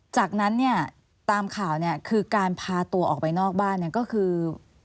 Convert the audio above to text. จากนั้นเนี่ยตามข่าวเนี่ยคือการพาตัวออกไปนอกบ้านเนี่ยก็คือ